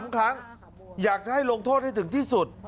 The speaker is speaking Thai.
๓ครั้งอยากจะให้ลงโทษให้ถึงที่สุด